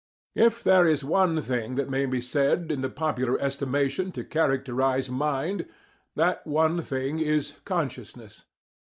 If there is one thing that may be said, in the popular estimation, to characterize mind, that one thing is "consciousness."